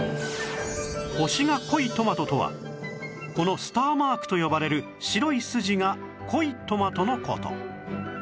星が濃いトマトとはこのスターマークと呼ばれる白いすじが濃いトマトの事